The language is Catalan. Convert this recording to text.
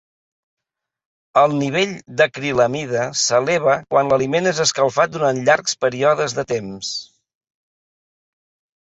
El nivell d’acrilamida s’eleva quan l’aliment és escalfat durant llargs períodes de temps.